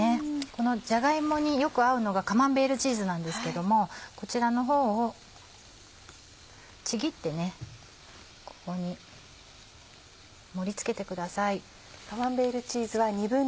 このじゃが芋によく合うのがカマンベールチーズなんですけどもこちらの方をちぎってここに盛り付けてください。